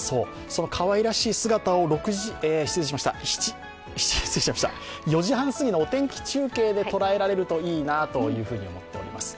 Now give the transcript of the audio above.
そのかわいらしい姿を４時半すぎのお天気中継で捉えられるといいなと思っております。